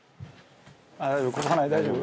大丈夫？」